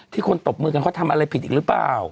คนตบมือกันเขาทำอะไรผิดอีกหรือเปล่า